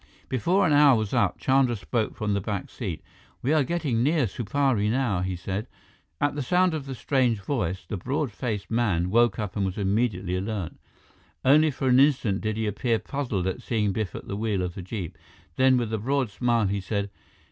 Before an hour was up, Chandra spoke from the back seat. "We are getting near Supari now!" he said. At the sound of the strange voice, the broad faced man woke up and was immediately alert. Only for an instant did he appear puzzled at seeing Biff at the wheel of the jeep. Then, with a broad smile, he said.